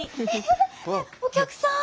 お客さん？